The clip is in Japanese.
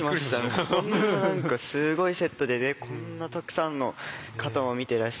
こんな何かすごいセットでねこんなたくさんの方も見てらして。